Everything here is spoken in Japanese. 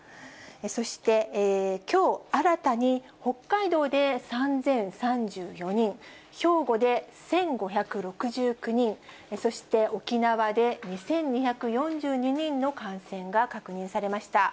そして、きょう新たに北海道で３０３４人、兵庫で１５６９人、そして沖縄で２２４２人の感染が確認されました。